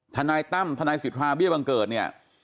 ทนายตั้มทนายสิทธาเบี้ยบังเกิดเนี่ย